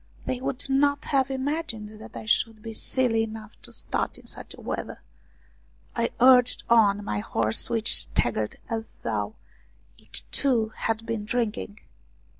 They would not have imagined that I should be silly enough to start in such weather. I urged on my horse which staggered as though it, too, had been drinking.